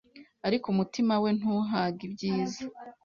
ariko umutima we ntuhage ibyiza,